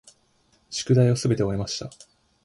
宿題をすべて終えました。